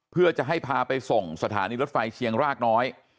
เพื่อจะให้พาไปส่งสถานีรถไฟเชียงรากน้อย